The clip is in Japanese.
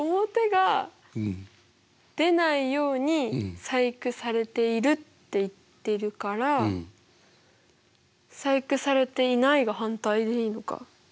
表が出ないように細工されているって言ってるから細工されていないが反対でいいのか？